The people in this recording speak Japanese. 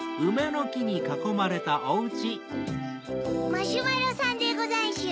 ・マシュマロさんでござんしゅ。